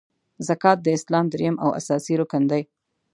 زکات د اسلام دریم او اساسې رکن دی .